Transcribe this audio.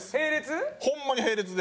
ホンマに並列で。